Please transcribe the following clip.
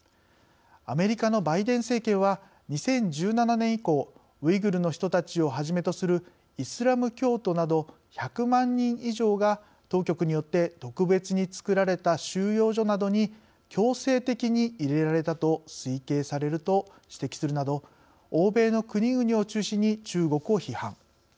アメリカのバイデン政権は２０１７年以降ウイグルの人たちをはじめとするイスラム教徒など１００万人以上が当局によって特別につくられた収容所などに強制的に入れられたと推計されると指摘するなど欧米の国々を中心に中国を批判。